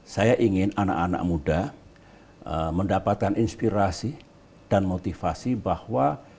saya ingin anak anak muda mendapatkan inspirasi dan motivasi bahwa